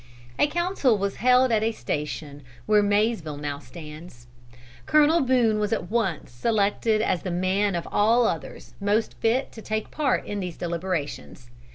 A council was held at a station where Maysville now stands. Colonel Boone was at once selected as the man of all others most fit to take part in these deliberations.